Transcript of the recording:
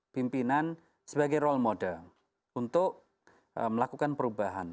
pimpinan sebagai role model untuk melakukan perubahan